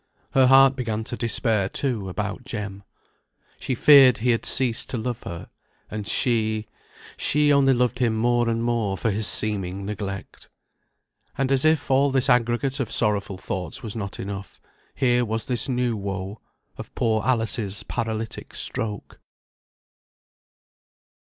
Her heart began to despair, too, about Jem. She feared he had ceased to love her; and she she only loved him more and more for his seeming neglect. And, as if all this aggregate of sorrowful thoughts was not enough, here was this new woe, of poor Alice's paralytic stroke.